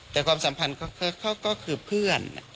แต่ความสัมพันธ์เขาก็คือเพื่อน